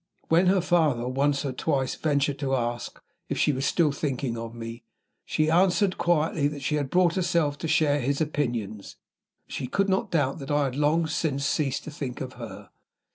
When her father once or twice ventured to ask if she was still thinking of me, she answered quietly that she had brought herself to share his opinions. She could not doubt that I had long since ceased to think of her.